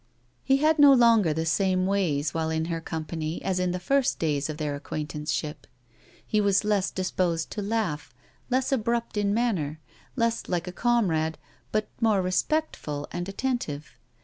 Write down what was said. He had no longer the same ways while in her company as in the first days of their acquaintanceship; he was less disposed to laugh, less abrupt in manner, less like a comrade, but more respectful and attentive.